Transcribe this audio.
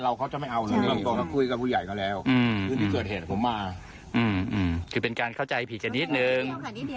เราเขาจะไม่เอาเราก็คุยกับผู้ใหญ่ก็แล้วคือเป็นการเข้าใจผิดกันนิดหนึ่ง